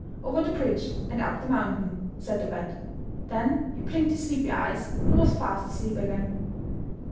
Over the bridge and up the mountain," said the bat. Then he blinked his sleepy eyes and was fast asleep again.